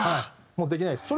もうできないです。